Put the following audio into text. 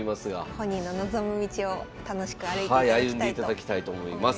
本人の望む道を楽しく歩いていただきたいと思います。